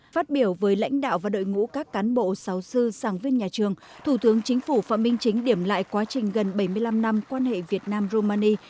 phát biểu với lãnh đạo và đội ngũ các cán bộ giáo sư sàng viên nhà trường thủ tướng chính phủ phạm minh chính điểm lại quá trình gần bảy mươi năm năm quan hệ việt nam romani